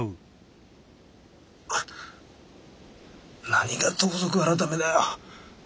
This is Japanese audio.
なにが盗賊改だよ。